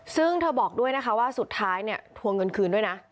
ซึ่งเธอบอกด้วยนะคะว่าสุดท้ายเนี่ยทวงเงินคืนด้วยนะ